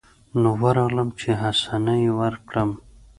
نو ورغلم چې حسنه يې وركړم.